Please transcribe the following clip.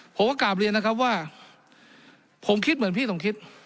ผมก็กราบเรียนนะครับว่าผมคิดเหมือนพี่สมคิด